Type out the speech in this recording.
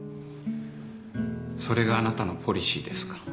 それがあなたのポリシーですか。